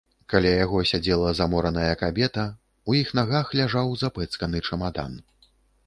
Каля яго сядзела замораная кабета, у іх нагах ляжаў запэцканы чамадан.